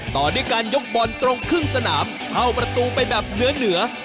ต่อด้วยการยกบอลตรงครึ่งสนามเข้าประตูไปแบบเหนือเหนือ